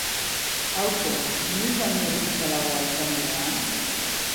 Aurten, inoiz baino horizontalagoa izan denean?